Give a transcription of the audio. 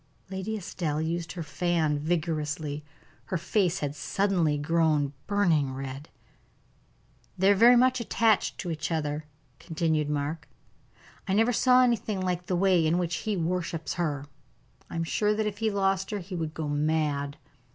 Lady Estelle used her fan vigorously; her face had suddenly grown burning red. "They are very much attached to each other," continued Mark. "I never saw anything like the way in which he worships her. I am sure that if he lost her he would go mad."